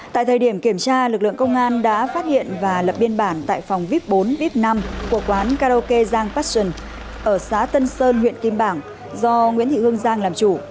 tại thời điểm kiểm tra lực lượng công an đã phát hiện và lập biên bản tại phòng vip bốn vip năm của quán karaoke giang passion ở xã tân sơn huyện kim bảng do nguyễn thị hương giang làm chủ